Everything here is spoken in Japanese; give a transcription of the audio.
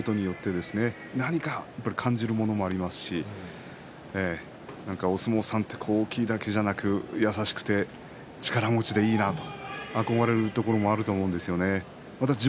やっぱり鍛え上げたこの力士に直に触れる出会うことによって何か感じるものもありますしお相撲さんって大きいだけじゃなく、優しくて力持ちでいいな憧れるところもあると思うんですよね。